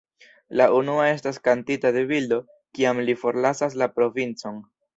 La unua estas kantita de Bildo kiam li forlasas La Provincon.